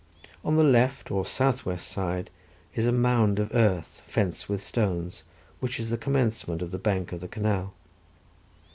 On the left, or south west side, is a mound of earth fenced with stones which is the commencement of the bank of the canal.